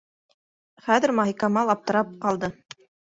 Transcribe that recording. Хәҙер Маһикамал аптырап ҡалды.